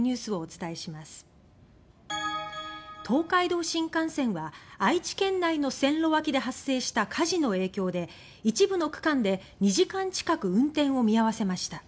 東海道新幹線は愛知県内の線路脇で発生した火事の影響で一部の区間で２時間近く運転を見合わせました。